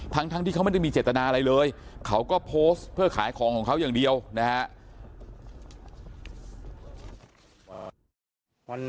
ทั้งที่เขาไม่ได้มีเจตนาอะไรเลยเขาก็โพสต์เพื่อขายของของเขาอย่างเดียวนะฮะ